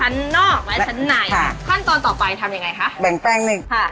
ชั้นนอกและชั้นในค่ะขั้นตอนต่อไปทำยังไงคะแบ่งแป้งหนึ่งค่ะ